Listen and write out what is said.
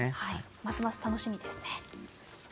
ますます楽しみですね。